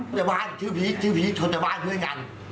คนแต่บ้านชื่อพีชชื่อพีชคนแต่บ้านเพื่อนกัน